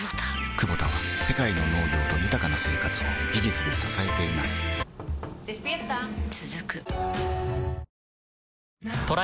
クボタは世界の農業と豊かな生活を技術で支えています起きて。